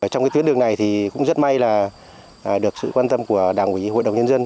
trong cái tuyến đường này thì cũng rất may là được sự quan tâm của đảng quỹ hội đồng nhân dân